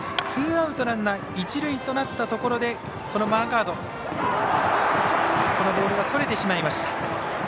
ツーアウト、ランナー、一塁となったところでマーガード、このボールがそれてしまいました。